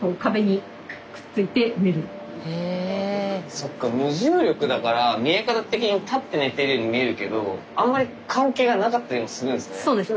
そっか無重力だから見え方的に立って寝てるように見えるけどあんまり関係がなかったりもするんすね。